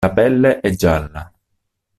La pelle è gialla.